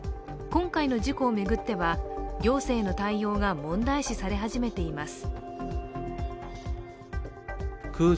今回の事故を巡っては行政の対応が問題視され始めています。